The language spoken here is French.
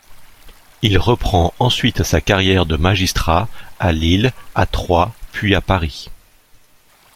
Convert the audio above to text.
Il reprend ensuite sa carrière de magistrat à Lille, à Troyes puis à Paris.